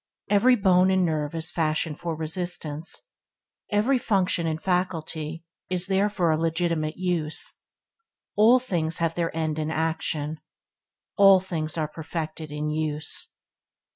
Every bone and nerve is fashioned for resistance; every function and faculty is there for a legitimate use. All things have their end in action; al things are perfected in use.